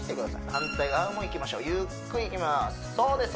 反対側もいきましょうゆっくりいきますそうです